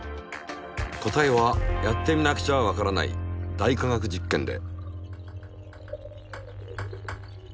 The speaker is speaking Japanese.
答えはやってみなくちゃわからない「大科学実験」で。